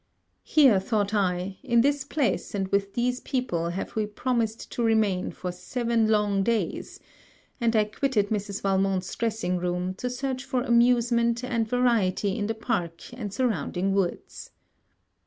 Here, thought I, in this place and with these people have we promised to remain for seven long days; and I quitted Mrs. Valmont's dressing room, to search for amusement and variety in the park and surrounding woods.